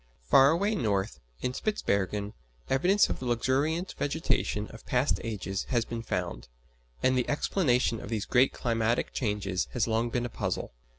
Far away north, in Spitzbergen, evidence of the luxuriant vegetation of past ages has been found; and the explanation of these great climatic changes has long been a puzzle.